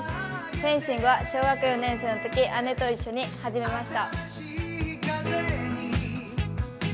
フェンシングは小学校４年生のとき姉と一緒に始めました。